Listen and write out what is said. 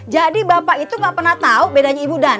jadi bapak itu nggak pernah tahu bedanya ibu dandan